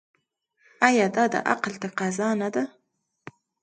آیا دا د عقل تقاضا نه ده؟